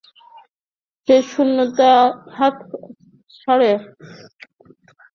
সেই শূন্যতা হাতড়াতে গিয়ে তো মন ক্লান্ত হয়ে পড়েছে।